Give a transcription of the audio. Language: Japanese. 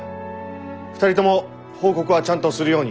２人とも報告はちゃんとするように。